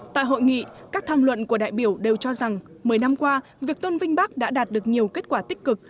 tại hội nghị các tham luận của đại biểu đều cho rằng một mươi năm qua việc tôn vinh bác đã đạt được nhiều kết quả tích cực